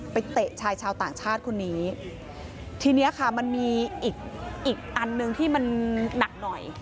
เตะชายชาวต่างชาติคนนี้ทีเนี้ยค่ะมันมีอีกอีกอันหนึ่งที่มันหนักหน่อย